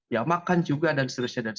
ya makan juga dan seterusnya